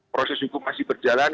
proses hukum masih berjalan